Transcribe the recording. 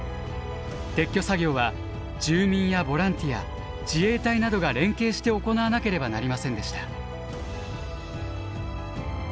撤去作業は住民やボランティア自衛隊などが連携して行わなければなりませんでした。